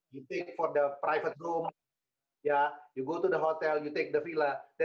hati saya sedikit lebih menarik untuk indonesia untuk jakarta